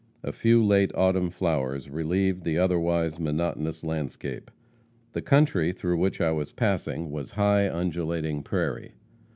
A few late autumn flowers relieved the otherwise monotonous landscape. The country through which I was passing was high, undulating prairie.